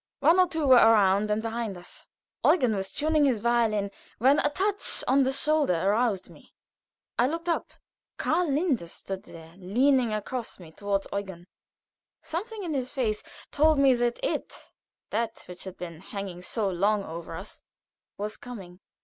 One or two were around and behind us. Eugen was tuning his violin, when a touch on the shoulder roused me. I looked up. Karl stood there, leaning across me toward Eugen. Something in his face told me that it that which had been hanging so long over us was coming.